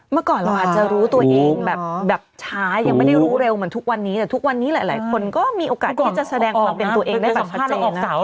เมื่อก่อนเราอาจจะรู้ตัวเองแบบช้ายังไม่ได้รู้เร็วเหมือนทุกวันนี้แต่ทุกวันนี้หลายคนก็มีโอกาสที่จะแสดงความเป็นตัวเองได้สัมภาษณ์